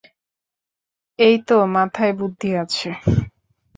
এইতো মাথায় বুদ্ধি আছে।